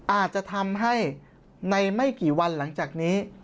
อาจจะทำให้ในไม่กี่วันหลังจากนี้